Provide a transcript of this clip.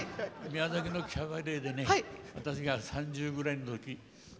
宮崎のキャバレーで私が３０ぐらいのときに。